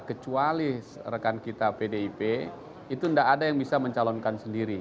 kecuali rekan kita pdip itu tidak ada yang bisa mencalonkan sendiri